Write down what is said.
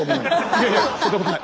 いやいやそんなことない。